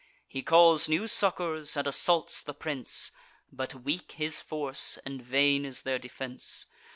He calls new succours, and assaults the prince: But weak his force, and vain is their defence.